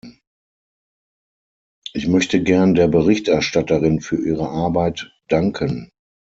Ich möchte gern der Berichterstatterin für ihre Arbeit danken.